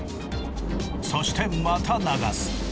そしてまた流す。